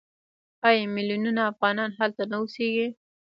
آیا میلیونونه افغانان هلته نه اوسېږي؟